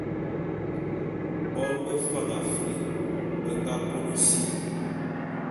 Bon bé Fan Afri be nga kôlô si.